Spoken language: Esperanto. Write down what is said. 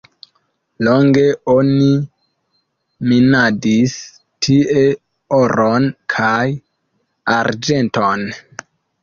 Longe oni minadis tie oron kaj arĝenton.